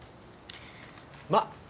まっ。